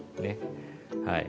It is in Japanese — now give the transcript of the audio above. はい。